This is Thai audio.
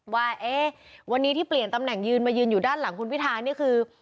ว่าวันนี้ที่เปลี่ยนตำแหน่งยืนมายืนอยู่ด้านหลังคุณพิธานี่คือ